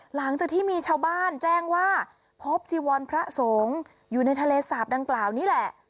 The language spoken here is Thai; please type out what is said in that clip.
หลังจากที่มีชาวบ้านแจ้งว่าพบจีวรพระสงฆ์อยู่ในทะเลสาบดังกล่าวนี่แหละ